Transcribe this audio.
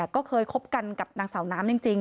ก็เคยคบกันกับนางสาวน้ำจริง